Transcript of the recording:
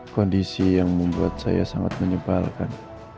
kondisi yang membuat saya sangat menyebalkan